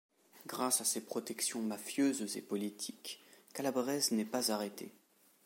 Grâce à ses protections mafieuses et politiques, Calabrese n'est pas arrêté.